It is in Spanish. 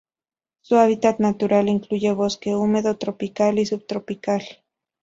Su hábitat natural incluye bosque húmedo tropical y subtropical.